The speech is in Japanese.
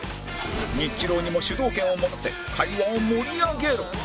ニッチローにも主導権を持たせ会話を盛り上げろ！